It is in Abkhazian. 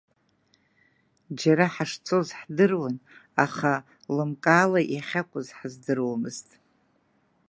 Џьара ҳашцоз ҳдыруан, аха лымкаала иахьакәыз ҳаздыруамызт.